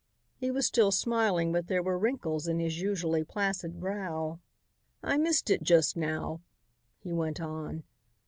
He was still smiling but there were wrinkles in his usually placid brow. "I missed it just now," he went on.